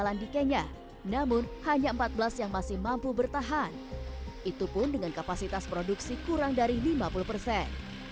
ada banyak kimia yang berbeda dan banyaknya kimia yang berbahaya